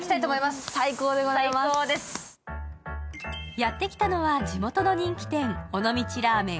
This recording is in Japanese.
やってきたのは地元の人気店、尾道ラーメン